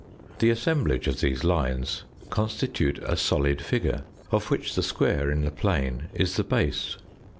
The assemblage of these lines constitute a solid figure, of which the square in the plane is the base.